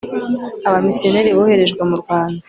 abamisiyoneri boherejwe mu rwanda